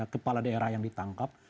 kepala daerah yang ditangkap